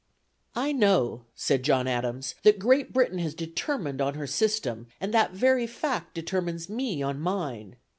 "I know," said John Adams, "that Great Britain has determined on her system, and that very fact determines me on mine.